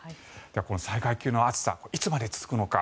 この災害級の暑さはいつまで続くのか。